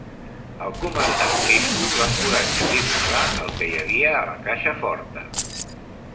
El comandant Sisko l'encoratja a divulgar el que hi havia a la caixa forta.